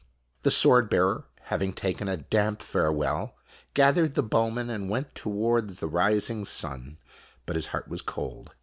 ] The swordbearer, having taken a damp farewell, gathered the bowmen and went toward the rising sun ; but his heart was cold.